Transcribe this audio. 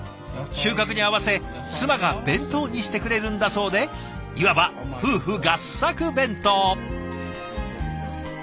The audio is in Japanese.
収穫に合わせ妻が弁当にしてくれるんだそうでいわば夫婦合作弁当。